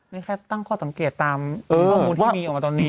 มีแค่ตั้งข้อสังเกตตามข้อมูลที่มีออกมาตอนนี้